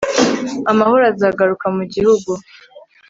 amahoro azagaruka mu gihugu